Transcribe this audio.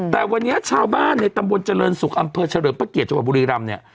แต่วันนี้ชาวบ้านในตำบลเจริญศุกร์อำเภอเฉลิมพระเกียรติจังหวัดบุรีรำเนี่ย